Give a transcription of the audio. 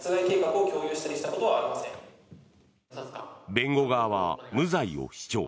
弁護側は無罪を主張。